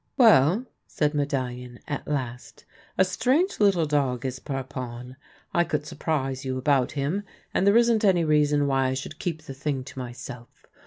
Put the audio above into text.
" Well," said Medallion at last, " a strange little dog is Parpon. I could surprise you about him — and, there isn't any reason why I should keep the thing to myself.